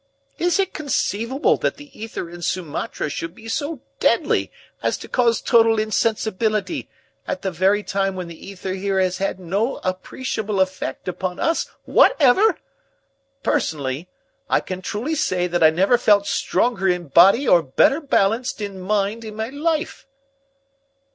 Is it conceivable that the ether in Sumatra should be so deadly as to cause total insensibility at the very time when the ether here has had no appreciable effect upon us whatever? Personally, I can truly say that I never felt stronger in body or better balanced in mind in my life."